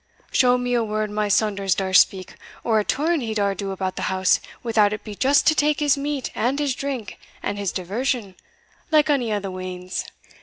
Show me a word my Saunders daur speak, or a turn he daur do about the house, without it be just to tak his meat, and his drink, and his diversion, like ony o' the weans.